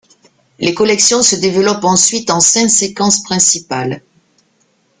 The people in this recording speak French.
Les collections se développent ensuite en cinq séquences principales.